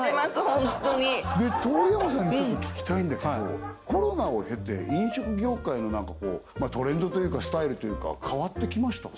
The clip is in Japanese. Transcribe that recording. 本当に通山さんにちょっと聞きたいんだけどコロナを経て飲食業界の何かトレンドというかスタイルというか変わってきました？